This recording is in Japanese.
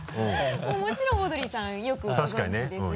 もちろんオードリーさんよくご存じですし。